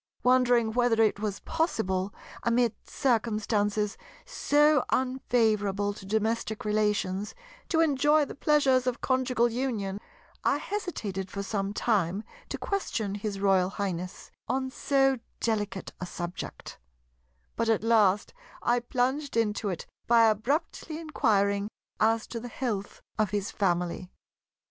Wondering whether it was possible, amid circumstances so unfavourable to domestic relations, to enjoy the pleasures of conjugal union, I hesitated for some time to question his Royal Highness on so delicate a subject; but at last I plunged into it by abruptly inquiring as to the health of his family.